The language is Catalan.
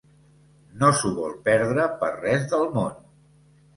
No s'ho vol perdre per res del món.